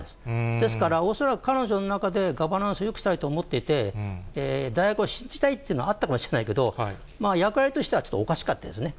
ですから、恐らく彼女の中で、ガバナンスをよくしたいと思っていて、大学を信じたいっていうのはあったかもしれないけど、役割としてはちょっとおかしかったですね。